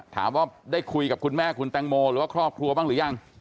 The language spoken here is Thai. ถามว่าได้คุยกับคุณแม่คุณแตงโมหรือว่าครอบครัวบ้างหรือยัง